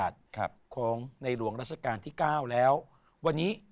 ด้วยความรักด้วยพักดี